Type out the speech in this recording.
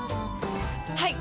はい！